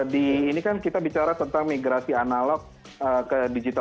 di ini kan kita bicara tentang migrasi analog ke digital